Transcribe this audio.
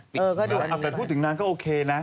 แต่พูดถึงนางก็โอเคนะ